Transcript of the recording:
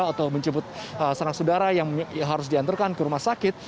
atau menjemput sanak saudara yang harus diantarkan ke rumah sakit